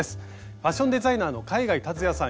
ファッションデザイナーの海外竜也さん